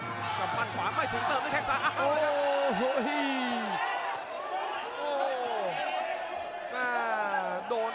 กับปั้นขวามไม่ถึงเติมแล้วแคกซ้ายอาการนะครับ